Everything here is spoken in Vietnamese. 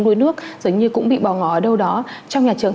đuôi nước giống như cũng bị bỏ ngỏ ở đâu đó trong nhà trường